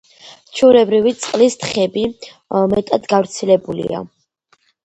ჩვეულებრივი წყლის თხები მეტად გავრცელებულია.